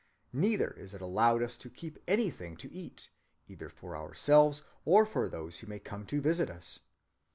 Neither is it allowed us to keep anything to eat, either for ourselves or for those who may come to visit us.